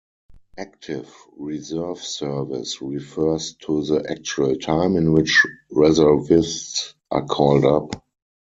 Active reserve service refers to the actual time in which reservists are called up.